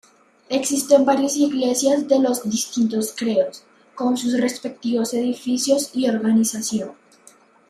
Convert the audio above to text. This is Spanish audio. Existen varias iglesias de los distintos credos, con sus respectivos edificios y organización.